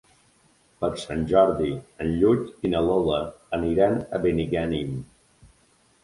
Per Sant Jordi en Lluc i na Lola aniran a Benigànim.